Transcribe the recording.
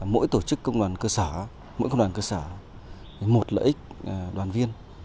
mỗi tổ chức công đoàn cơ sở mỗi công đoàn cơ sở một lợi ích đoàn viên